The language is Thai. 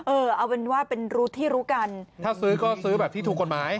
เออเอาเป็นว่าเป็นรู้ที่รู้กันถ้าซื้อก็ซื้อแบบที่ถูกกฎหมาย